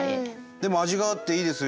でも味があっていいですよ